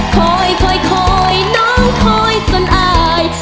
คอยคอยคอยน้องคอยส่วนอาย